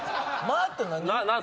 「ま」って何？